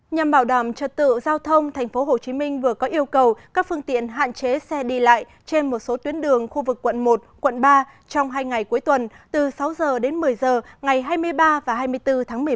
nhằm bảo đảm trật tự giao thông tp hcm vừa có yêu cầu các phương tiện hạn chế xe đi lại trên một số tuyến đường khu vực quận một quận ba trong hai ngày cuối tuần từ sáu h đến một mươi h ngày hai mươi ba và hai mươi bốn tháng một mươi một